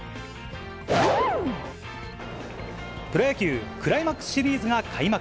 プロ野球クライマックスシリーズが開幕。